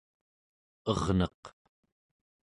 erneq